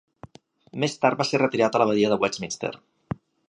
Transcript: Més tard va ser retirat a l'Abadia de Westminster.